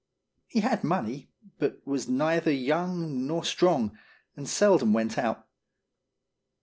He had money, but was neither young nor strong, and seldom went out.